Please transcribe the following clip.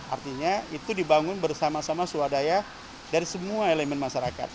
artinya itu dibangun bersama sama swadaya dari semua elemen masyarakat